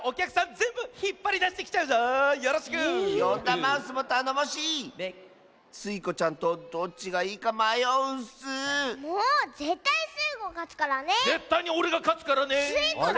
ぜったいにおれがかつからね！